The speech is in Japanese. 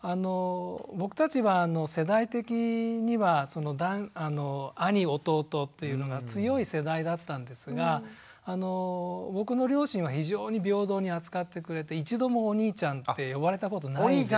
僕たちは世代的には兄弟というのが強い世代だったんですが僕の両親は非常に平等に扱ってくれて一度も「お兄ちゃん」って呼ばれたことないです。